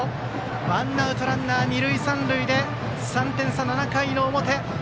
ワンアウトランナー、二塁三塁で３点差、７回の表。